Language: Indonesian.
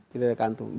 tidak ada kantung